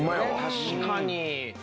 確かに。